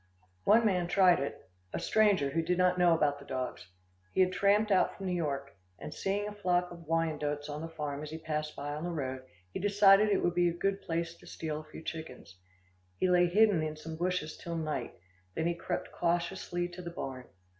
One man tried it a stranger who did not know about the dogs. He had tramped out from New York, and seeing the flock of Wyandottes on the farm as he passed by on the road, he decided it would be a good place to steal a few chickens. He lay hidden in some bushes till night, then he crept cautiously to the barn.